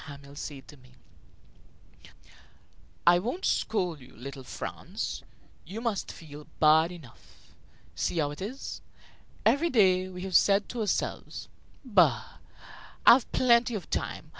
Hamel say to me: "I won't scold you, little Franz; you must feel bad enough. See how it is! Every day we have said to ourselves: 'Bah! I've plenty of time.